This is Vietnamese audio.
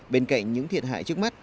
bên cạnh những thiệt hại trước mắt